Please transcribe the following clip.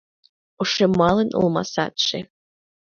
Ошемалын олма садше